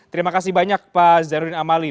terima kasih banyak pak zainuddin amali